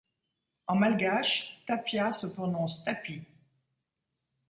En malgache, tapia se prononce 'tapi'.